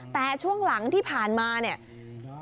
แต่ช่วงหลังที่ผ่านมาเนี่ย